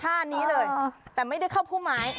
ท่านี้เลยแต่ไม่ได้เข้าผู้ไม้